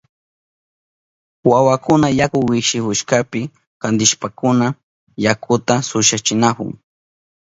Wawakuna yaku wishihushkapi kantishpankuna yakuta susyachinahun.